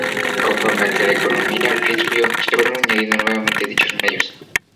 Conforme a que la economía al fin subió, se fueron añadiendo nuevamente dichos medios.